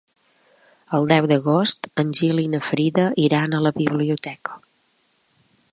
El deu d'agost en Gil i na Frida iran a la biblioteca.